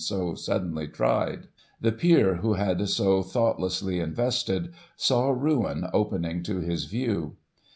[1846 so suddenly tried ; the peer, who had so thoughtlessly invested, saw ruin opening to his view.